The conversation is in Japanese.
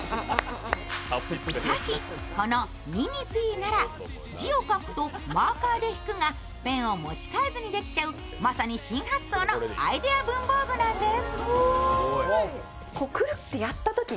しかし、このニニピーなら字を書いてマーカーで引くをペンを持ち替えずにできちゃうアイデア文房具なんです。